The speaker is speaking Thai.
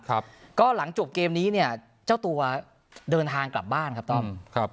ครับก็หลังจบเกมนี้เนี่ยเจ้าตัวเดินทางกลับบ้านครับต้อมครับ